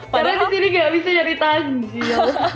karena di sini gak bisa nyari tajil